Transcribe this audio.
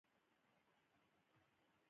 سیلابونه د افغانانو د ګټورتیا یوه مهمه برخه ده.